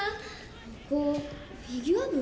ここフィギュア部？